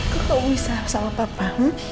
kok kamu bisa salah papa